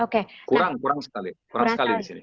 kurang kurang sekali